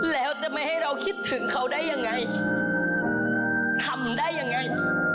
แล้วจะไม่ให้เราคิดถึงเขาได้ยังไงทำได้ยังไง